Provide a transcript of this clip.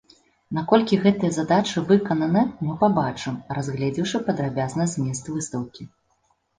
Наколькі гэтыя задачы выкананы, мы пабачым, разгледзеўшы падрабязна змест выстаўкі.